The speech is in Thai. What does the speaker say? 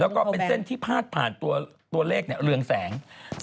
แล้วก็เป็นเส้นที่พาดผ่านตัวเลขเรืองแสง